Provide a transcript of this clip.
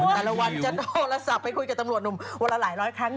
แต่ละวันจะโทรศัพท์ไปคุยตำรวจหลายร้อยครั้ง